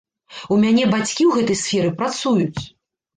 У мяне бацькі ў гэтай сферы працуюць.